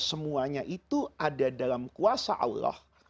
semuanya itu ada dalam kuasa allah